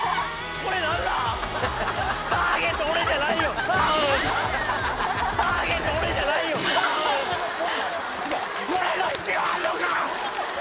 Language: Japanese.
これの必要あんのか！